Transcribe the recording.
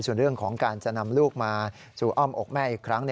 ส่วนเรื่องของการจะนำลูกมาสู่อ้อมอกแม่อีกครั้ง